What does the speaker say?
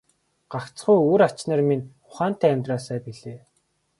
Гагцхүү үр ач нар минь ухаантай амьдраасай билээ.